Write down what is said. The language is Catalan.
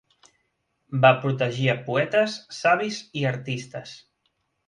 Va protegir a poetes, savis i artistes.